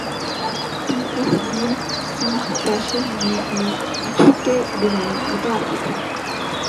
پی F D C fashion week میں اچھوتے design متعارف